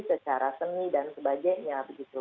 secara seni dan sebagainya